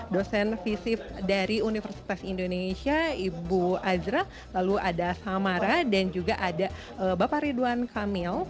dosen visip dari universitas indonesia ibu azra lalu ada samara dan juga ada bapak ridwan kamil